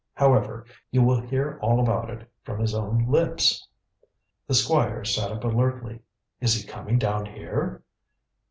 However, you will hear all about it from his own lips." The Squire sat up alertly. "Is he coming down here?"